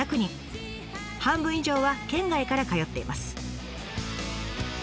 半分以上は県外から通っています。